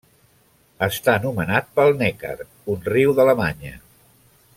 Està nomenat pel Neckar, un riu d'Alemanya.